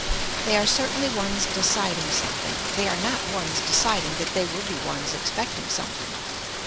They are certainly ones deciding something. They are not ones deciding that they will be ones expecting something.